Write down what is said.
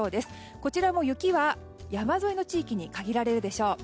こちらも雪は山沿いの地域に限られるでしょう。